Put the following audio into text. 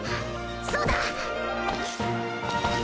そうだ。